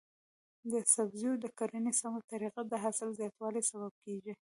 د سبزیو د کرنې سمه طریقه د حاصل زیاتوالي سبب کیږي.